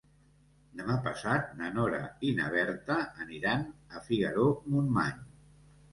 Demà passat na Nora i na Berta aniran a Figaró-Montmany.